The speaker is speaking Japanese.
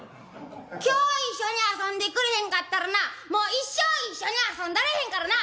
今日一緒に遊んでくれへんかったらなもう一生一緒に遊んだらへんからな！」。